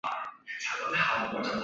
护城河周一千五百九十一丈五尺。